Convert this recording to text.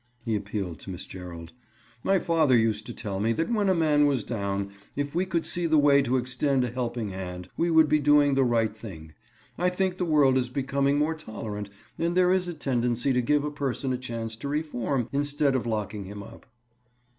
He appealed to Miss Gerald. "My father used to tell me that when a man was down, if we could see the way to extend a helping hand, we would be doing the right thing. I think the world is becoming more tolerant and there is a tendency to give a person a chance to reform, instead of locking him up."